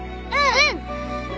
うん。